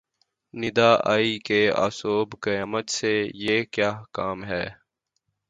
ندا آئی کہ آشوب قیامت سے یہ کیا کم ہے